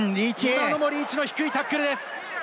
リーチの低いタックルです。